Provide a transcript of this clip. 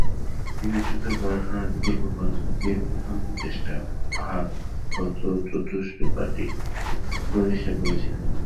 তিনি উচ্চতর পড়াশোনার বিকল্প পদ্ধতির প্রথম প্রচেষ্টা, ভাগবত চতুষ্পাঠী, প্রতিষ্ঠা করেছিলেন।